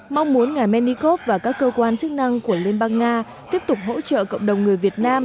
mong muốn ngài menikov và các cơ quan chức năng của liên bang nga tiếp tục hỗ trợ cộng đồng người việt nam